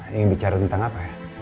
ingin bicara tentang apa ya